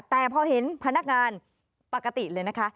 แต่พอเห็นพนักงานปกติเลยนะคะ